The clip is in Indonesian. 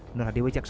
menurut dewi cekso